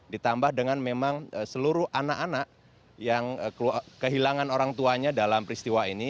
ditambah dengan memang seluruh anak anak yang kehilangan orang tuanya dalam peristiwa ini